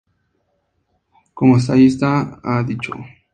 Como ensayista ha dicho.